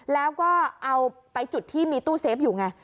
แล้วก็เอาไปจุดที่มีตู้เซฟอยู่ไง